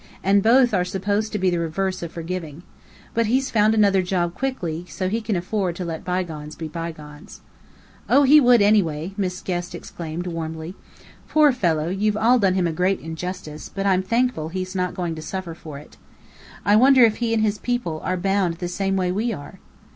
And both are supposed to be the reverse of forgiving. But he's found another job quickly, so he can afford to let bygones be bygones." "Oh, he would anyway!" Miss Guest exclaimed, warmly. "Poor fellow, you've all done him a great injustice, but I'm thankful he's not going to suffer for it. I wonder if he and his people are bound the same way we are?"